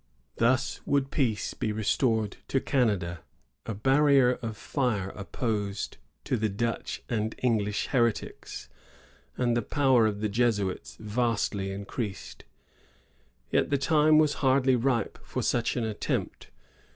Thus would peace be restored to Canada, a barrier of fire opposed to the Dutch and English heretics, and the power of the Jesuits vastiy increased. Tet the time was hardly ripe for such an attempt.